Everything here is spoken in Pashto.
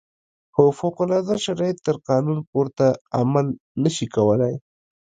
خو فوق العاده شرایط تر قانون پورته عمل نه شي کولای.